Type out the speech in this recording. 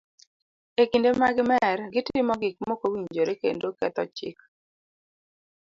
E kinde ma gi mer, gitimo gik mokowinjore kendo ketho chik.